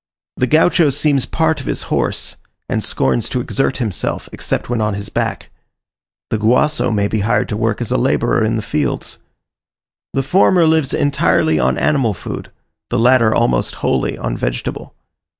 The Gaucho seems part of his horse, and scorns to exert himself except when on his back: the Guaso may be hired to work as a labourer in the fields. The former lives entirely on animal food; the latter almost wholly on vegetable.